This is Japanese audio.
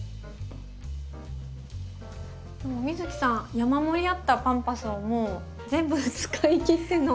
美月さん山盛りあったパンパスをもう全部使い切っての。